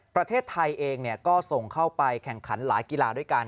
ประเทศไทยเองก็ส่งเข้าไปแข่งขันหลายกีฬาด้วยกัน